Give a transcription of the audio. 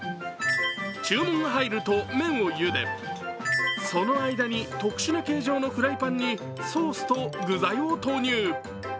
注文が入ると、麺をゆでその間に特殊な形状のフライパンにソースと具材を投入。